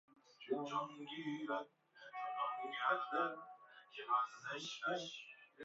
احمد و دار و دستهی نوچه شاعران او به هیچکس دیگر محل نگذاشتند.